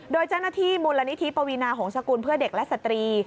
โดยเจ้าหน้าที่มูลนิธิปวีนาหงษกุลเพื่อเด็กและสตรี